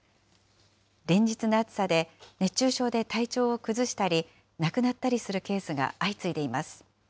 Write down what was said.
連日の暑さで、熱中症で体調を崩したり、亡くなったりするケースが相次いでいます。